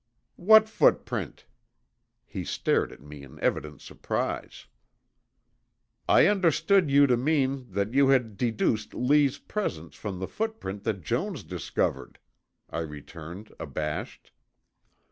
"What footprint?" He stared at me in evident surprise. "I understood you to mean that you had deduced Lee's presence from the footprint that Jones discovered," I returned abashed.